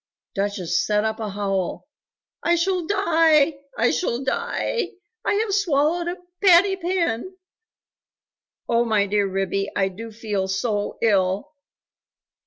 Duchess set up a howl. "I shall die! I shall die! I have swallowed a patty pan! Oh, my dear Ribby, I do feel so ill!"